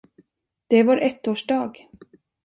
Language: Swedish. Det är vår ettårsdag.